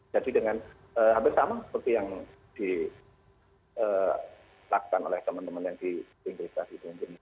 jadi dengan hape sama seperti yang dilakukan oleh teman teman yang di inggris tadi